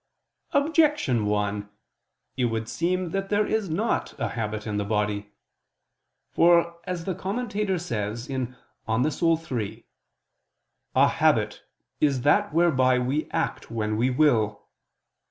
Objection 1: It would seem that there is not a habit in the body. For, as the Commentator says (De Anima iii), "a habit is that whereby we act when we will."